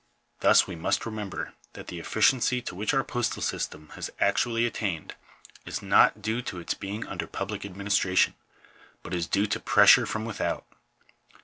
Thus we must remember that the efficiency to which our postal system has actually attained is not due to its being under public administration, but is due to pressure from without.